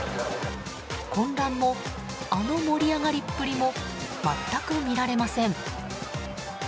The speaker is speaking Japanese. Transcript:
混乱も、あの盛り上がりっぷりも全く見られません。